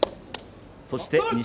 そして錦